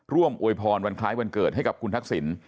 ร่วมโอยพรพลิกวันคล้ายวันเกิดให้คุณทักษิณ